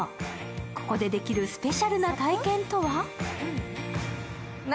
ここでできるスペシャルな体験とは？